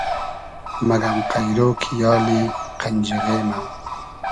مئگئم قݷرۉ کی یالی قئنجیغې مۂ